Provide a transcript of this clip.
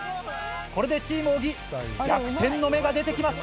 これでチーム小木逆転の芽が出てきました。